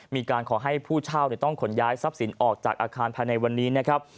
มีการขอให้ผู้เช่าต้องขนย้ายทรัพย์สินออกจากอาคารภายในวันนี้นะครับ